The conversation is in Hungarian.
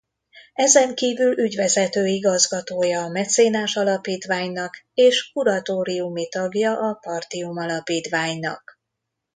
Ezen kívül ügyvezető igazgatója a Mecénás Alapítványnak és kuratóriumi tagja a Partium Alapítványnak.